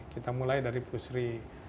kita mulai dari pusri